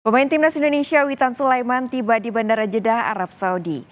pemain timnas indonesia witan sulaiman tiba di bandara jeddah arab saudi